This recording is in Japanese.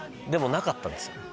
でもなかったんですよ